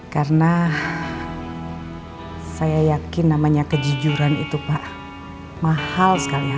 karena saya yakin namanya kejujuran itu pak mahal sekali harganya